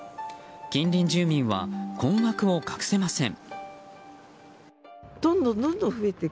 近隣住民は困惑を隠せません。